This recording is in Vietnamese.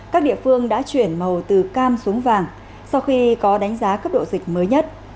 các địa phương đã chuyển màu từ cam xuống vàng sau khi có đánh giá cấp độ dịch mới nhất